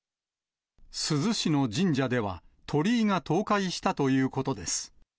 珠洲市の神社では、鳥居が倒壊したということです。